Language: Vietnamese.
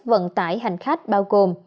vận tải hành khách bao gồm